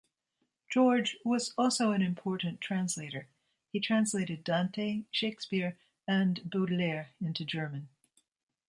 George was also an important translator; he translated Dante, Shakespeare and Baudelaire into German.